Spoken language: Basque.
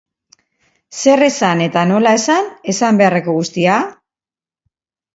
Zer esan eta nola esan esan beharreko guztia?